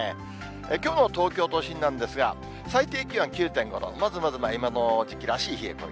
きょうの東京都心なんですが、最低気温は９．５度、まずまずの今の時期らしい冷え込み。